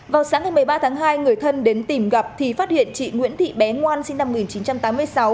vào sáng ngày một mươi ba tháng hai người thân đến tìm gặp thì phát hiện chị nguyễn thị bé ngoan sinh năm một nghìn chín trăm tám mươi sáu